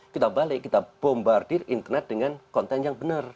kita balik kita bombardir internet dengan konten yang benar